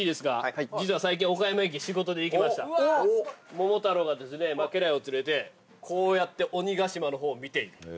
桃太郎がですね家来を連れてこうやって鬼ヶ島の方を見ている。